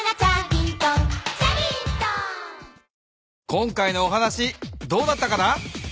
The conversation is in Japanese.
今回のお話どうだったかな？